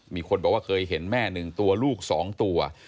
มีคนบอกว่าเคยเห็นแม่หนึ่งตัวลูกสองตัว